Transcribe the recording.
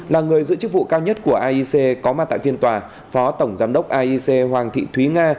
là người giữ chức vụ cao nhất của iec có mặt tại viên tòa phó tổng giám đốc iec hoàng thị thúy nga